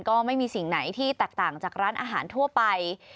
ก็ไม่มีสิ่งไหนที่แตกต่างจากร้านอาหารทั่วไป